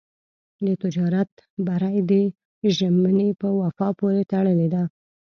د تجارت بری د ژمنې په وفا پورې تړلی دی.